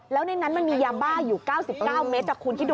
แล้วในนั้นมันมียาบ้าอยู่๙๙เม็ด